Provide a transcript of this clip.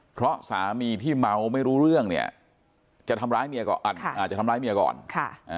เพราะสามีที่เมาไม่รู้เรื่องเนี่ยจะทำร้ายเมียก่อนจะทำร้ายเมียก่อนค่ะอ่า